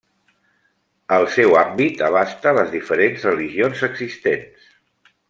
El seu àmbit abasta les diferents religions existents.